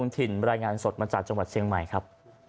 ถิ่นรายงานสดมาจากจังหวัดเชียงใหม่ครับ